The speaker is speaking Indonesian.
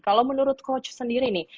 kalau menurut coach sendiri nih